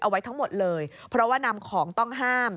เอาไว้ทั้งหมดเลยเพราะว่านำของต้องห้าม